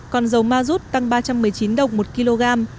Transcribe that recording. còn dầu ma rút tăng ba trăm một mươi chín đồng một kg